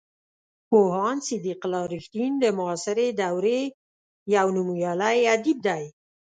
پوهاند صدیق الله رښتین د معاصرې دورې یو نومیالی ادیب دی.